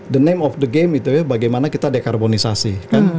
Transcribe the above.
the name of the game itu ya bagaimana kita dekarbonisasi kan